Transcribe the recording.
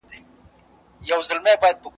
ایا مسلکي بڼوال وچه الوچه پروسس کوي؟